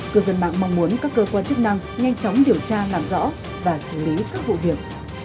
cư dân mạng mong muốn các cơ quan chức năng nhanh chóng điều tra làm rõ và xử lý các vụ việc